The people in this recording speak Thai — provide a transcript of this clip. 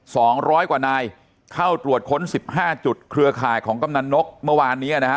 สองร้อยกว่านายเข้าตรวจค้นสิบห้าจุดเครือข่ายของกำนันนกเมื่อวานเนี้ยนะฮะ